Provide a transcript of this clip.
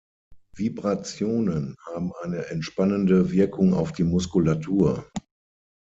Vibrationen haben eine entspannende Wirkung auf die Muskulatur.